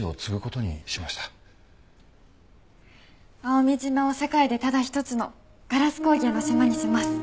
蒼海島を世界でただ一つのガラス工芸の島にします。